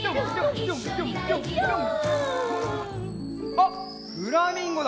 あっフラミンゴだ！